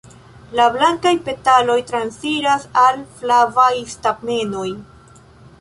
La blankaj petaloj transiras al flavaj stamenoj.